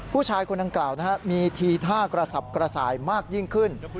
ผู้ชายคนดังกล่าวมีทีท่ากระสับกระส่ายมากยิ่งขึ้น